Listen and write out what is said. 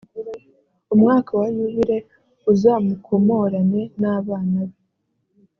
umwaka wa yubile uzamukomorane n abana be